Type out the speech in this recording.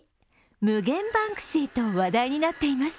無限バンクシーと話題になっています。